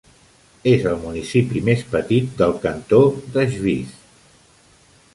És el municipi més petit del cantó de Schwyz.